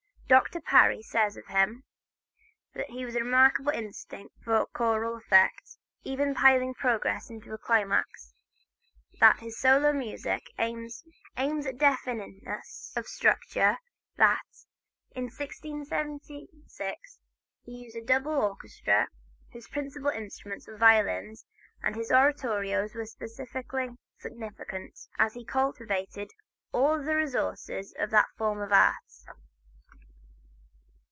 Dr. Parry says of him that he had a remarkable instinct for choral effects, even piling progressions into a climax, that his solo music aims at definiteness of structure, that, in 1676, he used a double orchestra whose principal instruments were violins, and that his oratorios were specially significant, as he cultivated all the resources of that form of art.